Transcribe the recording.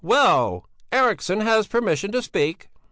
Well! Eriksson has permission to speak."